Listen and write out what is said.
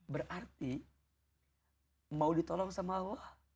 berarti mau ditolong sama allah